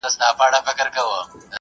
زه تکړښت کړي دي!؟